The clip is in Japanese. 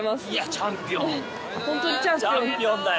チャンピオンだよ！